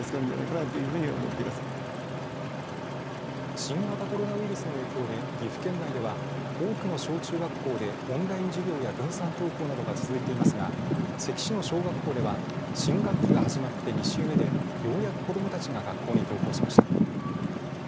新型コロナウイルスの影響で岐阜県内では多くの小中学校でオンライン授業や分散登校などが続いていますが、関市の小学校では、新学期が始まって２週目でようやく子どもたちが学校に登校しました。